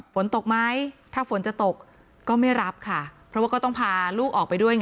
ฝนตกไหมถ้าฝนจะตกก็ไม่รับค่ะเพราะว่าก็ต้องพาลูกออกไปด้วยไง